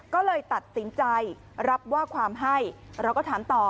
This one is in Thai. ก็เลยตัดสินใจรับว่าความให้เราก็ถามต่อ